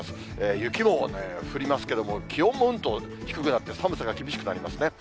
雪も降りますけれども、気温もうんと低くなって、寒さが厳しくなりますね。